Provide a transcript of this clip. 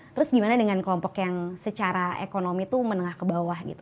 terus gimana dengan kelompok yang secara ekonomi itu menengah ke bawah gitu